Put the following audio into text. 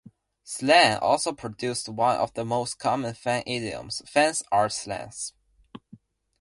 "Slan" also produced one of the most common fan idioms: "Fans are slans".